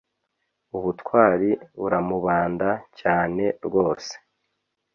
ubutwari buramubanda cyane rwose